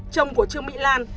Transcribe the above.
chồng của trương mỹ lan